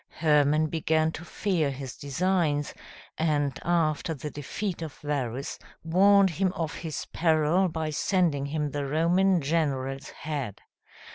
Hermann began to fear his designs, and after the defeat of Varus, warned him of his peril by sending him the Roman general's head.